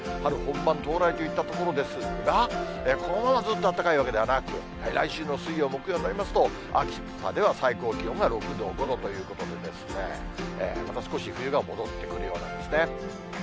春本番到来といったところですが、このままずっと暖かいわけではなく、来週の水曜、木曜になりますと、最高気温が６度、５度ということで、また少し冬が戻ってくるようなんですね。